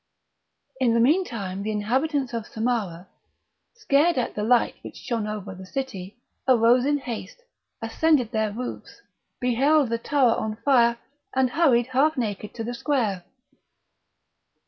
In the meantime the inhabitants of Samarah, scared at the light which shone over the city, arose in haste, ascended their roofs, beheld the tower on fire, and hurried half naked to the square.